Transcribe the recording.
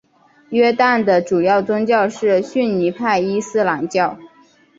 约旦的主要宗教是逊尼派伊斯兰教。